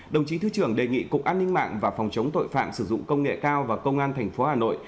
đồng chí thứ trưởng đề nghị cục an ninh mạng và phòng chống tội phạm sử dụng công nghệ cao và công an tp hà nội